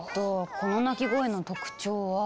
この鳴き声の特徴は。